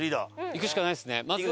行くしかないですねまず。